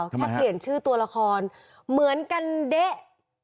ทำไมครับแค่เปลี่ยนชื่อตัวละครเหมือนกันเดะ